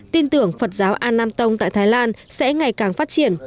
tin tưởng phật giáo an nam tông tại thái lan sẽ ngày càng phát triển